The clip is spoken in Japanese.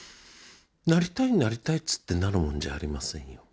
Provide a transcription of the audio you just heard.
なりたいなりたいつってなるもんじゃありませんよ